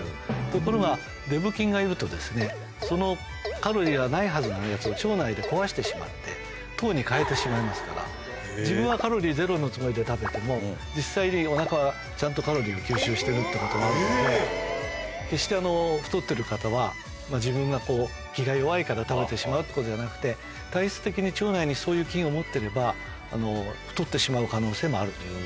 ところがデブ菌がいるとそのカロリーがないはずのやつを腸内で壊してしまって糖に変えてしまいますから自分はカロリーゼロのつもりで食べても実際にお腹はちゃんとカロリーを吸収してるってこともあるので決して太ってる方は自分が気が弱いから食べてしまうってことじゃなくて体質的に腸内にそういう菌を持ってれば太ってしまう可能性もあるという。